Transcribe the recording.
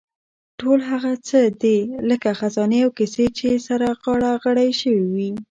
ټول هغه څه دي لکه خزانې او کیسې چې سره غاړه غړۍ شوې وي.